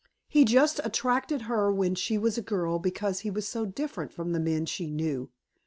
He just attracted her when she was a girl because he was so different from the men she knew.